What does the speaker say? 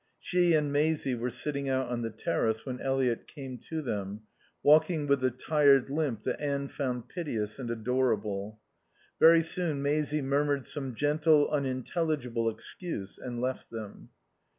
She and Maisie were sitting out on the terrace when Eliot came to them, walking with the tired limp that Anne found piteous and adorable. Very soon Maisie murmured some gentle, unintelligible excuse, and left them.